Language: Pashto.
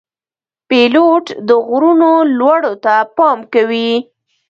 پیلوټ د غرونو لوړو ته پام کوي.